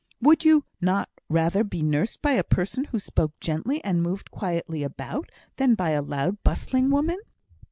Would you not rather be nursed by a person who spoke gently and moved quietly about than by a loud bustling woman?"